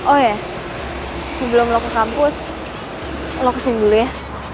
oh ya sebelum lo ke kampus lo kesini dulu ya